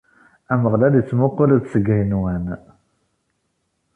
Ameɣlal ittmuqul-d seg yigenwan.